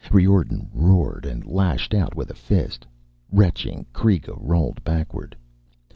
Riordan roared and lashed out with a fist. Retching, Kreega rolled backward.